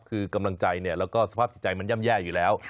คือกำลังใจแล้วก็สภาพจิตใจมันย่ำแย่อยู่แล้ว